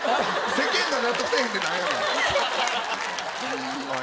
世間が納得せえへんって何やねん！